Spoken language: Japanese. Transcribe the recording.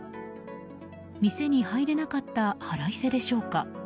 店に入れなかった腹いせでしょうか。